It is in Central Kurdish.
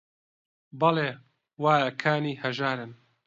بەڵێ: وایە کانی هەژارن